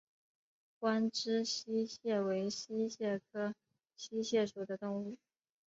弯肢溪蟹为溪蟹科溪蟹属的动物。